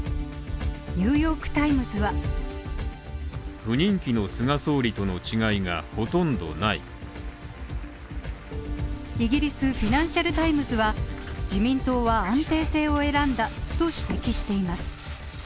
「ニューヨーク・タイムズ」はイギリス紙「フィナンシャル・タイムズ」は自民党は安定性を選んだと指摘しています。